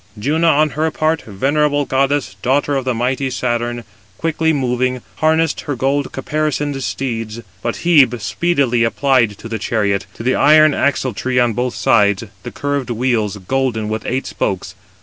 Juno, on her part, venerable goddess, daughter of mighty Saturn, quickly moving, harnessed her gold caparisoned steeds; but Hebe speedily applied to the chariot, to the iron axletree on both sides, the curved wheels, golden, with eight spokes.